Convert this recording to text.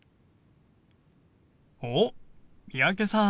おっ三宅さん